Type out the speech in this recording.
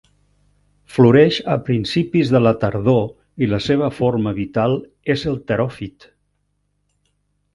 Floreix a principis de la tardor i la seva forma vital és el Teròfit.